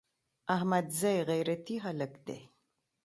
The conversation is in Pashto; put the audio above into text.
احمدزي غيرتي خلک دي.